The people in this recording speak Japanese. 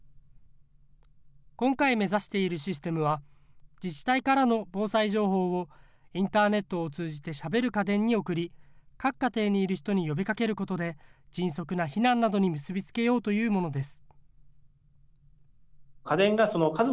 今回目指しているシステムは、自治体からの防災情報をインターネットを通じてしゃべる家電に送り、各家庭にいる人に呼びかけることで、迅速な避難などに結び付けようというものです。